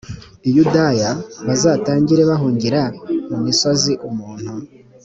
i yudaya bazatangire guhungira m mu misozi umuntu